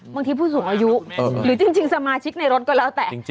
ผู้สูงอายุหรือจริงสมาชิกในรถก็แล้วแต่